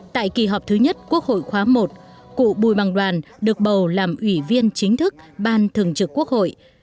tại kỳ họp thứ nhất quốc hội khóa i cụ bùi bằng đoàn được bầu làm ủy viên chính thức ban thường trực quốc hội